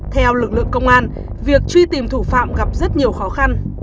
theo lực lượng công an việc truy tìm thủ phạm gặp rất nhiều khó khăn